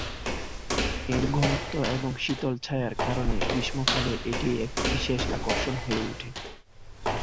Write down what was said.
এর ঘনত্ব এবং শীতল ছায়ার কারণে গ্রীষ্মকালে এটি এক বিশেষ আকর্ষণ হয়ে উঠে।